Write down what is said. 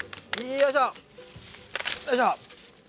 よいしょ！